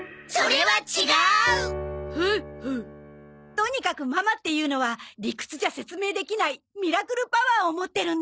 とにかくママっていうのは理屈じゃ説明できないミラクルパワーを持ってるんだ。